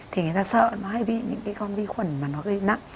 thì người ta sợ nó hay bị những cái con vi khuẩn mà nó gây nặng